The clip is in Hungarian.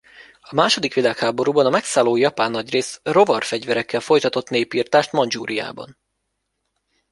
A második világháborúban a megszálló Japán nagyrészt rovar-fegyverekkel folytatott népirtást Mandzsúriában.